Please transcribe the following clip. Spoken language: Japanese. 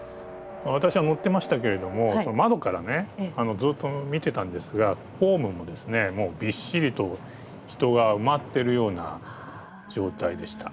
私は乗ってましたけれども窓からねずっと見てたんですがホームももうびっしりと人が埋まってるような状態でした。